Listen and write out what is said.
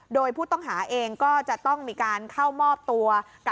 โดยผู้ต้องหาเองก็จะต้องมีการเข้ามอบตัว